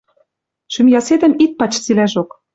Шӱм ясетӹм ит пач цилӓжок.